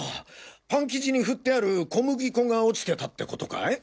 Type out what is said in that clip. パン生地にふってある小麦粉が落ちてたってことかい？